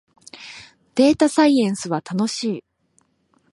データサイエンスは楽しい